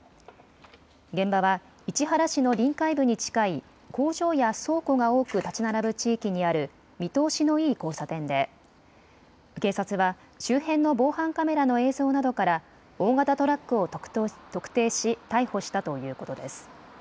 現場は市原市の臨海部に近い工場や倉庫が多く建ち並ぶ地域にある見通しのいい交差点で警察は周辺の防犯カメラの映像などから大型トラックを特定し逮捕したということです。